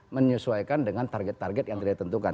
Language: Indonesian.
menyesuaikan dengan target target yang tidak tentukan